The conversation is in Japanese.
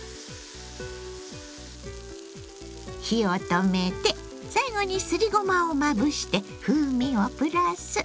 火を止めて最後にすりごまをまぶして風味をプラス。